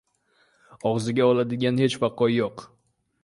-Og‘izga oladigan hech vaqo yo‘qmi?